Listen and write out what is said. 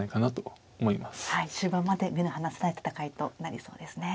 終盤まで目の離せない戦いとなりそうですね。